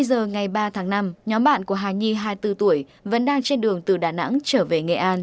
hai mươi giờ ngày ba tháng năm nhóm bạn của hà nhi hai mươi bốn tuổi vẫn đang trên đường từ đà nẵng trở về nghệ an